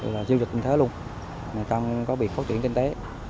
là diêu dịch trên thế luôn tâm có việc phát triển kinh tế